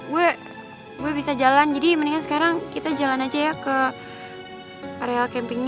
gue gue bisa jalan jadi mendingan sekarang kita jalan aja ya ke area campingnya